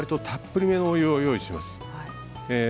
たっぷりめのお湯を用意します。